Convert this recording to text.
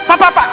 pak pak pak